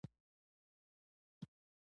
سلام جان شونډې وچيچلې.